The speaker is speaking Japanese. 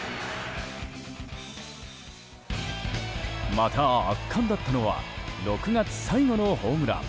また、圧巻だったのは６月最後のホームラン。